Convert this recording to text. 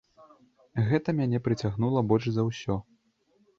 Гэта мяне прыцягнула больш за ўсё.